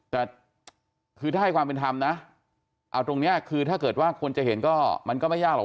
แต่คือถ้าให้ความเป็นธรรมนะเอาตรงนี้คือถ้าเกิดว่าคนจะเห็นก็มันก็ไม่ยากหรอก